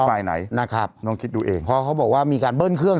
ฝ่ายไหนนะครับลองคิดดูเองเพราะเขาบอกว่ามีการเบิ้ลเครื่อง